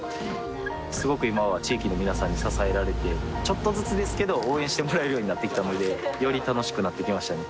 すごく今は地域の皆さんに支えられてちょっとずつですけど応援してもらえるようになってきたのでより楽しくなってきましたね